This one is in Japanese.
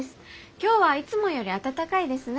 今日はいつもより暖かいですね。